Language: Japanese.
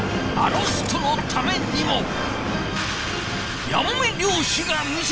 あの人のためにも！